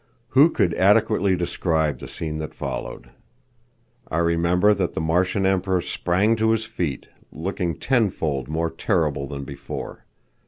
Who could adequately describe the scene that followed? I remember that the Martian Emperor sprang to his feet, looking tenfold more terrible than before.